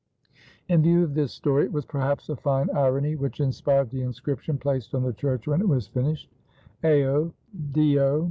In view of this story it was perhaps a fine irony which inspired the inscription placed on the church when it was finished: "Ao.